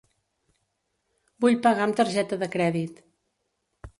Vull pagar amb targeta de crèdit.